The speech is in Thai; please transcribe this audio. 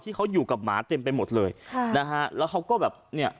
ที่เขาอยู่กับหมาเต็มไปหมดเลยค่ะนะฮะแล้วเขาก็แบบเนี่ย